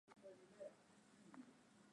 Twendeni shuleni kusoma.